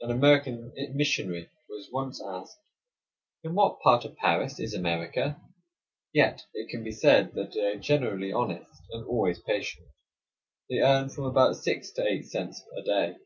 An American missionary was once asked: "In what part of Paris is America?" Yet it can be said that they are generally honest, and always patient. They earn from about six to eight cents a day.